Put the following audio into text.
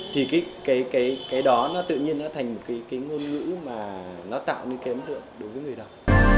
thì cái đó nó tự nhiên nó thành một cái ngôn ngữ mà nó tạo nên cái ấn tượng đối với người đọc